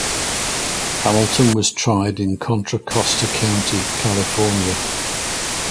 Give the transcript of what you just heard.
Hamilton was tried in Contra Costa County, California.